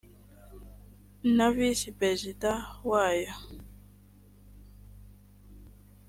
na visi perezida wayo